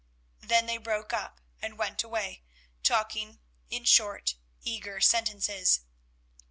Then they broke up and went away, talking in short, eager sentences.